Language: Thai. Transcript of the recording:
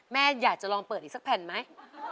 แม่อยากจะลองเปิดอีกสักแผ่นไหม